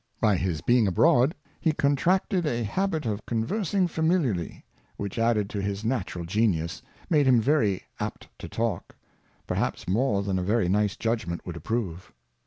By his being abroad, he contracted a Habit of conversing familiarly, which added to his natural Genius, made him very apt to talk ; perhaps more than a very nice judgment would approve.